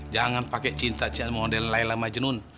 jangan pake cinta cinta model laila majnun